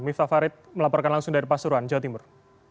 miftah farid melaporkan langsung dari pasuruan jawa timur